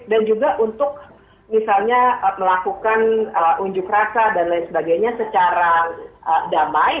dan juga untuk misalnya melakukan unjuk rasa dan lain sebagainya secara damai